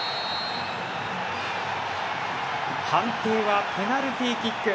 判定はペナルティーキック。